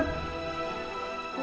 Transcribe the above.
lu dimana sih mulan